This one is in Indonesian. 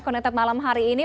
konektif malam hari ini